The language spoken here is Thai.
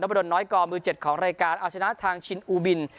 น้ำบดนน้อยกอมือเจ็ดของรายการอาชนะทางชินอูบิน